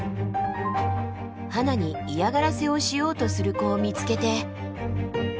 ハナに嫌がらせをしようとする子を見つけて。